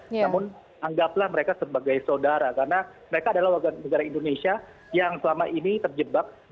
namun anggaplah mereka sebagai saudara karena mereka adalah warga negara indonesia yang selama ini terjebak